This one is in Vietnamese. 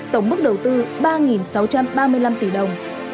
tổng mức đầu tư ba sáu trăm ba mươi năm tỷ đồng